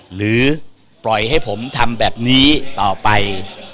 หรือปล่อยให้ผมทำแบบนี้ต่อไป